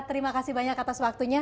terima kasih banyak atas waktunya